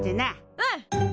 うん！